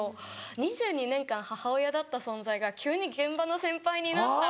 ２２年間母親だった存在が急に現場の先輩になったら。